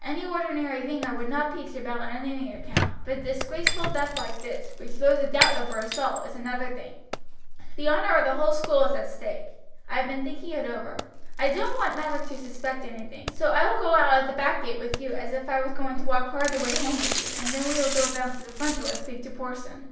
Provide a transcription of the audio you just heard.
Any ordinary thing I would not peach about on any account, but a disgraceful theft like this, which throws a doubt over us all, is another thing; the honor of the whole school is at stake. I have been thinking it over. I don't want Mather to suspect anything, so I will go out at the back gate with you, as if I was going to walk part of the way home with you, and then we will go round to the front door and speak to Porson."